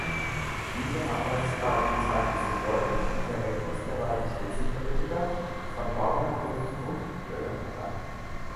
Diese Arbeitsteilung zeigte sich deutlich im Verhältnis der beiden Spitzenpolitiker von Bauernbund und Bürgerpartei.